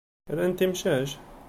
Rant imcac?